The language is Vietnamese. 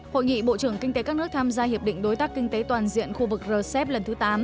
hội nghị bộ trưởng kinh tế các nước tham gia hiệp định đối tác kinh tế toàn diện khu vực rcep lần thứ tám